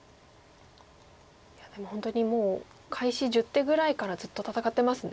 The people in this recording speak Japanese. いやでも本当にもう開始１０手ぐらいからずっと戦ってますね。